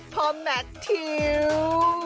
พ่อแมททิว